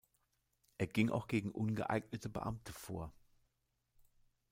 Er ging auch gegen ungeeignete Beamte vor.